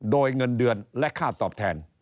โดยเงินเดือนและค่าตอบแทน